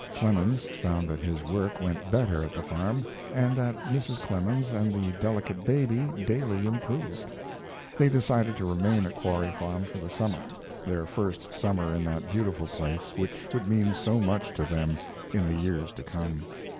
Clemens found that his work went better at the farm, and that Mrs. Clemens and the delicate baby daily improved. They decided to remain at Quarry Farm for the summer, their first summer in that beautiful place which would mean so much to them in the years to come.